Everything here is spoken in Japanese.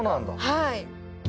はい。